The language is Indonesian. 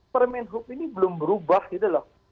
permain hope ini belum berubah gitu loh